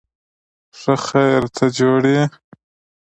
ښه خیر، ته جوړ یې؟